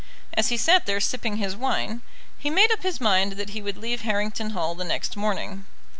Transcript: As he sat there sipping his wine, he made up his mind that he would leave Harrington Hall the next morning.